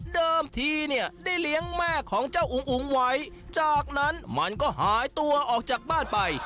ทีเนี่ยได้เลี้ยงแม่ของเจ้าอุ๋งอุ๋งไว้จากนั้นมันก็หายตัวออกจากบ้านไป